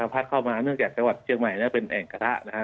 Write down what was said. พลาดมาเนื่องจากว่าเชียงใหม่เป็นแอ่งกระทะ